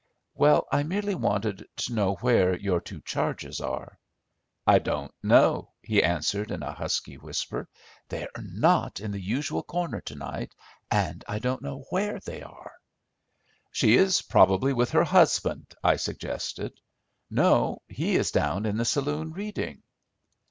"Well, I merely wanted to know where your two charges are." "I don't know," he answered, in a husky whisper; "they are not in the usual corner to night, and I don't know where they are." "She is probably with her husband," I suggested. "No, he is down in the saloon reading."